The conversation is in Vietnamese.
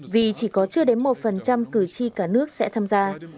vì chỉ có chưa đến một phần trăm cử tri cả nước sẽ tham gia